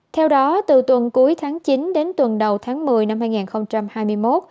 theo đó từ tuần cuối tháng chín đến tuần đầu tháng một mươi năm hai nghìn hai mươi một